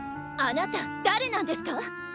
あなただれなんですか？